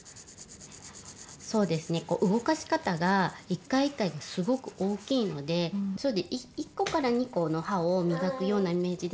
そうですね動かし方が１回１回がすごく大きいので１個２個の歯をみがくようなイメージで。